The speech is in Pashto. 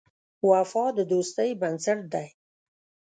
وفا د دوستۍ بنسټ دی.